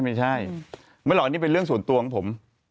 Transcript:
ไม่ใช่ไม่หรอกอันนี้เป็นเรื่องส่วนตัวของผม